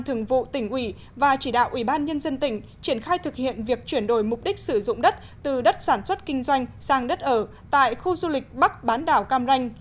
thường vụ tỉnh ủy và chỉ đạo ubnd tỉnh triển khai thực hiện việc chuyển đổi mục đích sử dụng đất từ đất sản xuất kinh doanh sang đất ở tại khu du lịch bắc bán đảo cam ranh